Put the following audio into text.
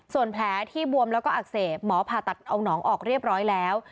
ส่วนแผลที่บวมแล้วก็อักเสบหมอผ่าตัดเอาน้องออกเรียบร้อยแล้ว